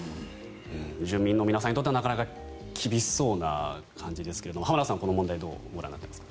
住民の皆さんにとってはなかなか厳しそうな感じですが浜田さん、この問題どうご覧になっていますか？